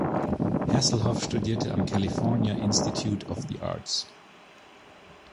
Hasselhoff studierte am California Institute of the Arts.